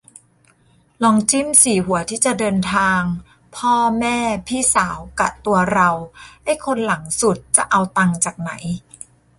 ลองจิ้มสี่หัวที่จะเดินทาง พ่อ แม่ พี่สาว กะตัวเรา ไอ้คนหลังสุดจะเอาตังค์จากไหน